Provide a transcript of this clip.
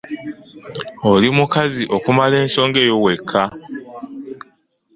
Oli mukazi okumala ensonga eyo wekka.